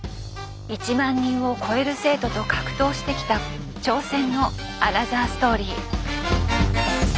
１万人を超える生徒と格闘してきた挑戦のアナザーストーリー。